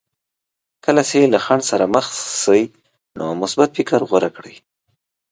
کله چې له خنډ سره مخ شئ نو مثبت فکر غوره کړئ.